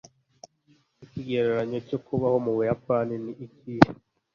ikigereranyo cyo kubaho mu buyapani ni ikihe